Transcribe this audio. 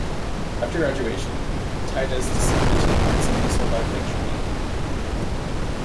After graduation Titus decided to put on some muscle by weight training.